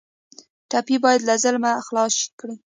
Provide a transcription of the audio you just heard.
ټپي باید له ظلمه خلاص کړئ.